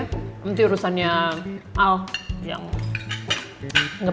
nanti urusannya ya